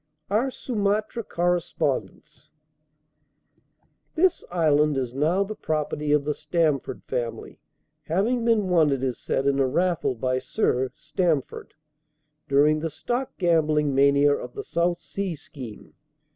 ] "OUR SUMATRA CORRESPONDENCE "This island is now the property of the Stamford family, having been won, it is said, in a raffle, by Sir Stamford, during the stock gambling mania of the South Sea Scheme.